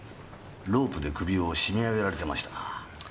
ロープで首を絞め上げられてましたが。